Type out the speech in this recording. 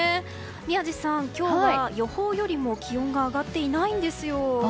宮司さん、今日は予報よりも気温が上がっていないんですよ。